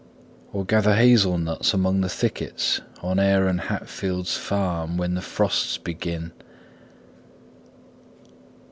Or gather hazel nuts among the thickets On Aaron Hatfield's farm when the frosts begin?